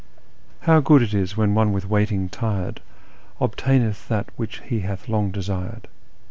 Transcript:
" How good it is when one with waiting tired Obtaiueth that which he hath long desired